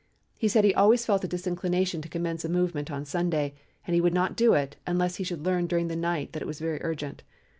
He said he always felt a disinclination to commence a movement on Sunday, and he would not do it, unless he should learn during the night that it was very urgent.